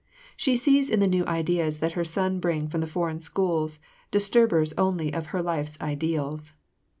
She sees in the new ideas that her sons bring from the foreign schools disturbers only of her life's ideals.